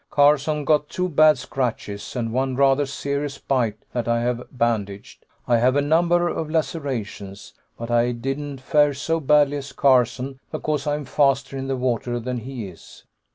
Carson got two bad scratches, and one rather serious bite that I have bandaged. I have a number of lacerations, but I didn't fare so badly as Carson because I am faster in the water than he is.